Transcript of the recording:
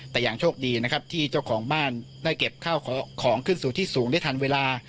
แต่ยังโชคดีนะครับที่เจ้าของบ้านได้เก็บข้าวของขึ้นสู่ที่สูงได้ทันเวลา